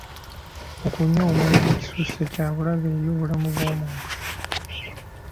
Okunywa omwenge ekisusse kya bulabe eri obulamu bw'omuntu.